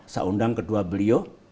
saya undang kedua beliau